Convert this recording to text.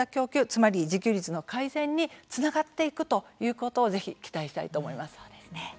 つまり自給率の改善につながっていくということをぜひ期待したいと思います。